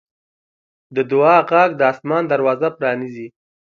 د دعا غږ د اسمان دروازه پرانیزي.